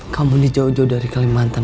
kamu di jauh jauh dari kelimantan